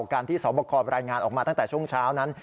การที่สอบคอรายงานออกมาตั้งแต่ช่วงเช้านั้น